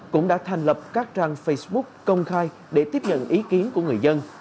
cũng đã thành lập các trang facebook công khai để tiếp nhận ý kiến của người dân